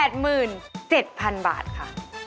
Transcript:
๘หมื่น๗พันบาทค่ะ